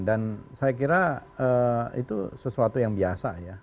dan saya kira itu sesuatu yang biasa ya